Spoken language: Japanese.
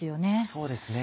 そうですね。